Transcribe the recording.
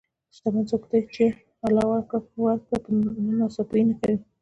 شتمن څوک دی چې د الله ورکړه نه ناسپاسي نه کوي.